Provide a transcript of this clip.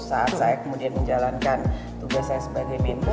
saat saya kemudian menjalankan tugas saya sebagai menko